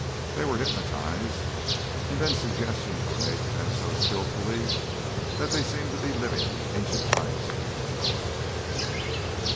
They were hypnotised, and then suggestions were made to them so skilfully that they seemed to be living in ancient times again.